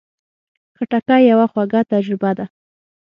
خټکی یوه خواږه تجربه ده.